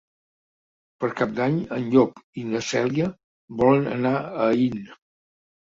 Per Cap d'Any en Llop i na Cèlia volen anar a Aín.